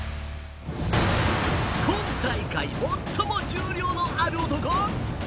今大会、最も重量のある男。